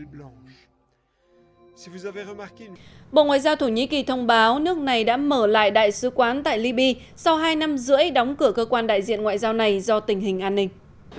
bộ ngoại giao thổ nhĩ kỳ thông báo nước này đã mở lại đại sứ quán tại liby sau hai năm rưỡi đóng cửa cơ quan đại diện ngoại giao này do tình hình an ninh